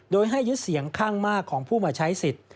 โดยให้ยึดเสียงข้างมากของผู้มาใช้สิทธิ์